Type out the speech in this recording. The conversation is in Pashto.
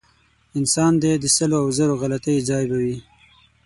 انسان دی د سلو او زرو غلطیو ځای به وي.